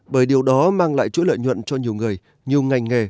bởi điều đó mang lại chuỗi lợi nhuận cho nhiều người nhiều ngành nghề